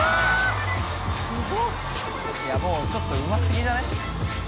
いやもうちょっとうま過ぎじゃない？